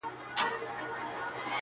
• پر خپل ځان باندي پرهېز یې وو تپلی -